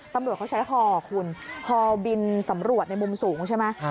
ตำรวจเขาใช้ฮอคุณฮอบินสำรวจในมุมสูงใช่ไหม